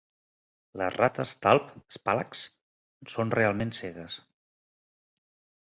Les rates talp 'Spalax' són realment cegues.